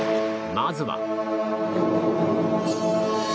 まずは。